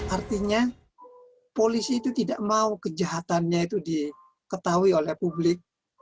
artinya polisi itu tidak mau kejahatannya itu diketahui oleh publik